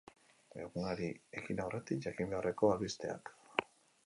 Egunari ekin aurretik jakin beharreko albisteak.